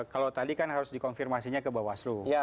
kalau tadi kan harus dikonfirmasinya ke bawaslu